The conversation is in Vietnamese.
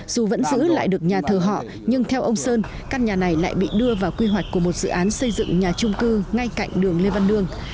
dù vẫn giữ lại được nhà thờ họ nhưng theo ông sơn căn nhà này lại bị đưa vào quy hoạch của một dự án xây dựng nhà trung cư ngay cạnh đường lê văn lương